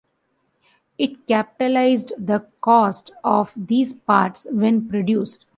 It capitalized the costs of these parts when produced.